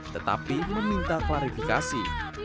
tetapi meminta klarifikasi